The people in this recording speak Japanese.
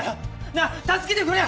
なあ助けてくれよ！